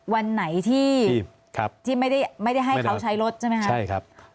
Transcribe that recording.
วันไหนที่ไม่ได้ให้เขาใช้รถใช่ไหมคะใช่ครับ